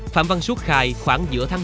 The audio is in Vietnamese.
phạm văn xuất khai khoảng giữa tháng năm